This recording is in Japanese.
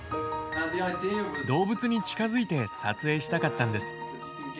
動物に近づいて撮影したかったんです。